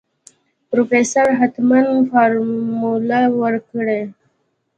پروفيسر حتمن فارموله ورکړې.